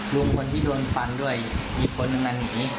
แล้วก็เรียกพวกออกมา๒๓คนหนึ่งนั้น